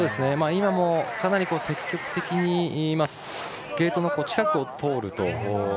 今も、かなり積極的にゲートの近くを通ると。